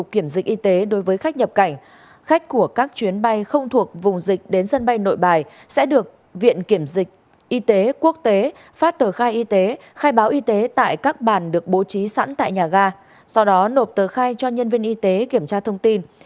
khách của các chuyến bay không thuộc vùng dịch đến sân bay nội bài sẽ được viện kiểm dịch y tế quốc tế phát tờ khai y tế khai báo y tế tại các bàn được bố trí sẵn tại nhà ga sau đó nộp tờ khai cho nhân viên y tế kiểm tra thông tin